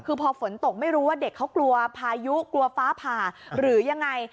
คือพอฝนตกไม่รู้ว่าเด็กเขากลัวพายุกลัวฟ้าผ่าหรือยังไง